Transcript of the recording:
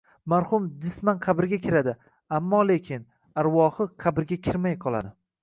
Marhum jisman qabrga kiradi, ammo-lekin arvohi qabrga kirmay qoladi.